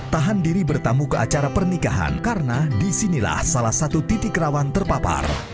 tahan diri bertamu ke acara pernikahan karena disinilah salah satu titik rawan terpapar